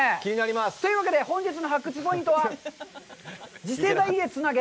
というわけで、本日の発掘ポイントは「次世代へつなげ！